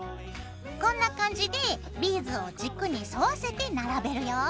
こんな感じでビーズを軸に沿わせて並べるよ。